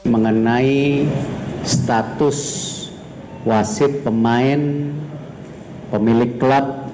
mengenai status wasit pemain pemilik klub